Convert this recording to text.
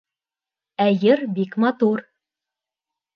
Ә йыр бик матур!